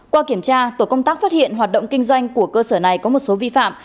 qua kiểm tra tổ công tác phát hiện hoạt động kinh doanh của cơ sở này có một số vi phạm